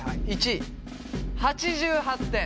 １位８８点。